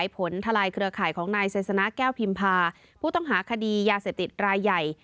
ผลทลายเครือข่ายของนายไซสนะแก้วพิมพาผู้ต้องหาคดียาเสพติดรายใหญ่